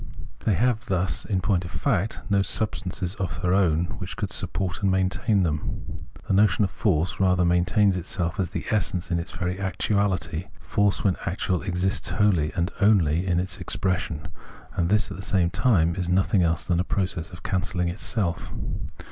They have thus, in point of fact, no substances of their own which could support and maintain them. The notion of force rather maintains itself as the essence in its very actual ity : force when actual exists wholly and only in its expression ; and this, at the same time, is nothing else than a process of cancelling itself.